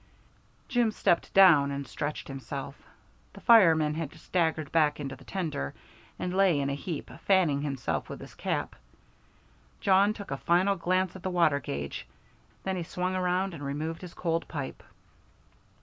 Jim stepped down and stretched himself. The fireman had staggered back into the tender, and lay in a heap, fanning himself with his cap. Jawn took a final glance at the water gauge, then he swung around and removed his cold pipe.